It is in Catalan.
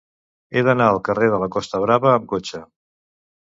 He d'anar al carrer de la Costa Brava amb cotxe.